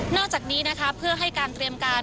จากนี้นะคะเพื่อให้การเตรียมการ